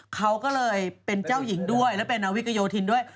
เขาก็เลยเป็นเจ้าหญิงด้วยและเป็นนาวิกโยธินด้วย